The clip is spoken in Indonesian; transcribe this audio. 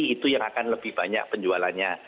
itu yang akan lebih banyak penjualannya